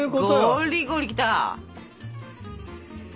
ゴリゴリきた！